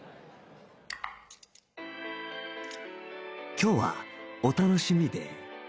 今日はお楽しみデー